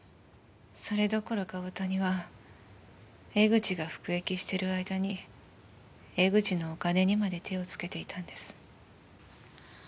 それどころか大谷は江口が服役してる間に江口のお金にまで手をつけていたんです。